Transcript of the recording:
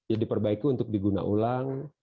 jadi diperbaiki untuk diguna ulang